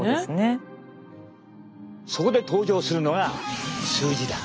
そこで登場するのが数字だ。